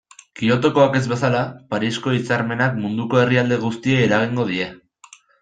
Kyotokoak ez bezala, Parisko hitzarmenak munduko herrialde guztiei eragingo die.